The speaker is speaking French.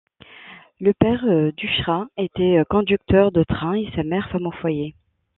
Le père d'Huchra était conducteur de train et sa mère femme au foyer.